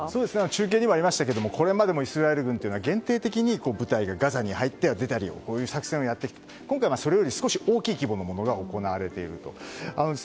中継にもありましたがこれまでもイスラエル軍は限定的に部隊がガザに入ったり出たりという作戦をやってきていますが今回はそれより少し大きい規模のものが行われていると。